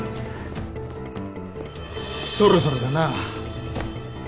そろそろだな。